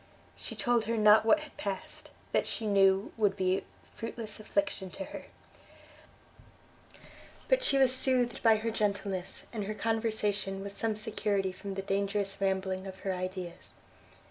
She told her not what had passed; that, she knew, would be fruitless affliction to her: but she was soothed by her gentleness, and her conversation was some security from the dangerous rambling of her ideas.